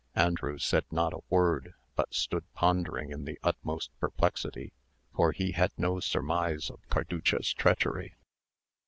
Andrew said not a word, but stood pondering in the utmost perplexity, for he had no surmise of Carducha's treachery.